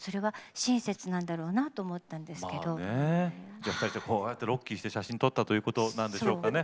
じゃあ２人してこうやって「ロッキー」して写真撮ったということなんでしょうかね。